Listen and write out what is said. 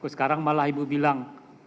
sekarang malah ibu bilang